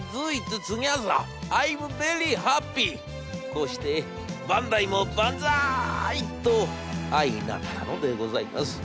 「こうして『バンダイもバンザイ』と相成ったのでございます。